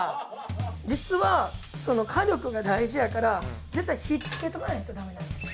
実は火力が大事やから絶対火つけとかないとダメなんです。